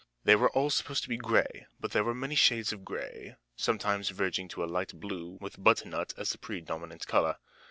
They were all supposed to be gray, but there were many shades of gray, sometimes verging to a light blue, with butternut as the predominant color.